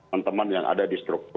dan teman teman yang ada di storok ya